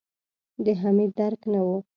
د حميد درک نه و.